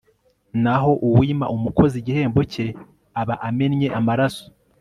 naho uwima umukozi igihembo cye, aba amennye amaraso